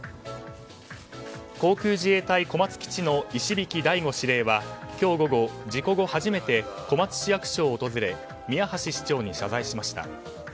航空自衛隊小松基地の石引大吾司令は今日午後事故後初めて小松市役所を訪れ宮橋市長に謝罪しました。